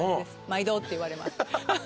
「まいど！」って言われます。